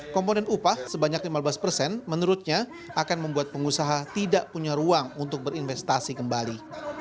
komponen upah sebanyak lima belas persen menurutnya akan membuat pengusaha tidak punya ruang untuk berinvestasi kembali